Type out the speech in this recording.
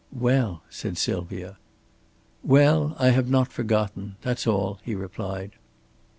"Well!" said Sylvia. "Well, I have not forgotten that's all," he replied.